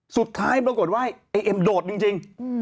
สุดท้ายพรากฎว่าอันไอ้มโดดจริง